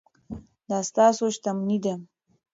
دا ستاسو شتمني ده.